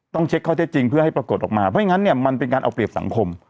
ต้องเช็คข้อเท็จจริงเพื่อให้ปรากฏออกมาเพราะอย่างนั้นเนี่ยมันเป็นการเอาเปรียบสังคม